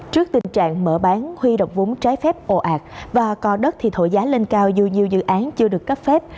trước tình trạng mở bán huy độc vốn trái phép ồ ạt và có đất thì thổi giá lên cao dù nhiều dự án chưa được cấp phép